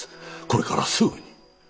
これからすぐに。